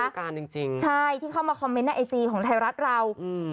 การจริงจริงใช่ที่เข้ามาคอมเมนต์ในไอจีของไทยรัฐเราอืม